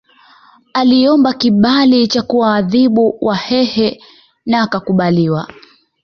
Aliomba kibali cha kuwaadhibu Wahehe na akakubaliwa